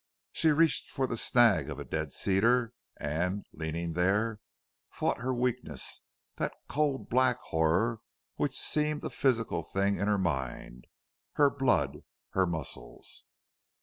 She reached for the snag of a dead cedar and, leaning there, fought her weakness, that cold black horror which seemed a physical thing in her mind, her blood, her muscles.